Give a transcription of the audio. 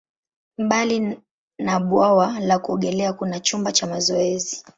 Mbali na bwawa la kuogelea, kuna chumba cha mazoezi.